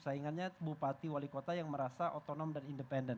saingannya bupati wali kota yang merasa otonom dan independen